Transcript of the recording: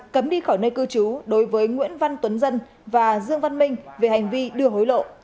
cấm đi khỏi nơi cư trú đối với nguyễn văn tuấn dân và dương văn minh về hành vi đưa hối lộ